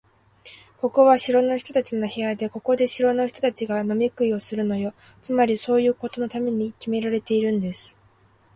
ここは城の人たちの部屋で、ここで城の人たちが飲み食いするのよ。つまり、そういうことのためにきめられているんです。